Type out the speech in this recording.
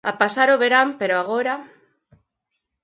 A pasar o verán, pero agora...